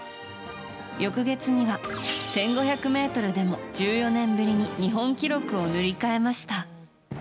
翌月には１５００ｍでも１４年ぶりに日本記録を塗り替えました。